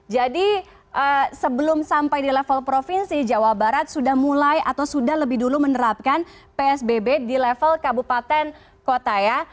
jadi sebelum sampai di level provinsi jawa barat sudah mulai atau sudah lebih dulu menerapkan psbb di level kabupaten kota